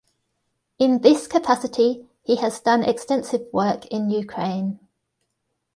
In this capacity, he has done extensive work in Ukraine.